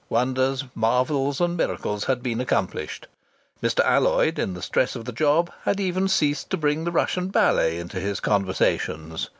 Wonders, marvels and miracles had been accomplished. Mr. Alloyd, in the stress of the job, had even ceased to bring the Russian Ballet into his conversations.